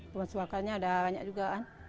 pemasuakannya udah banyak juga kan